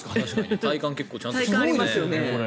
体幹結構ちゃんとしてますね。